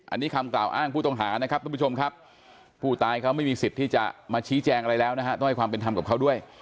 อันนี้คำกล่าวอ้างผู้ต้องหานะครับทุกผู้ชมครับผู้ตายเขาไม่มีสิทธิ์ที่จะมาชี้แจงอะไรแล้วนะฮะต้องให้ความเป็นธรรมกับเขาด้วย